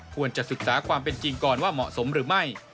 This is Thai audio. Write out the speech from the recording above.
ควรจะศึกษาความเป็นจริงก่อนว่าเหมาะสมหรือไม่